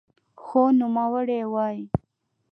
خو نوموړی وايي